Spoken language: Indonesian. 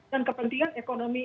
dan kepentingan ekonomi